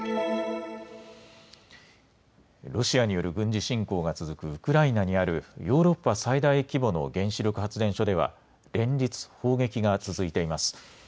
ロシアによる軍事侵攻が続くウクライナにあるヨーロッパ最大規模の原子力発電所では連日、砲撃が続いています。